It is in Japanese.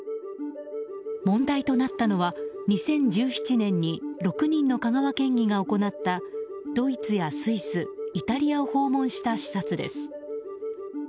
問題となったのは２０１７年に６人の６人の香川県議が行ったドイツやスイスイタリアを訪問した視察です。